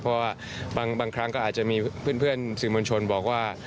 เพราะว่าบางครั้งก็อาจจะมีเพื่อนสื่อมวลชนบอกว่า